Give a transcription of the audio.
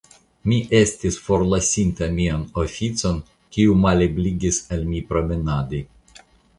Mi estis forlasinta mian oficon, kiu malebligis al mi promenadi.